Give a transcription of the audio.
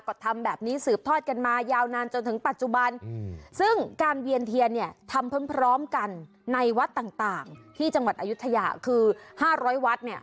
ก็ทำแบบนี้สืบทอดกันมายาวนานจนถึงปัจจุบันซึ่งการเวียนเทียนเนี่ยทำพร้อมกันในวัดต่างที่จังหวัดอายุทยาคือ๕๐๐วัดเนี่ย